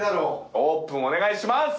オープンお願いします！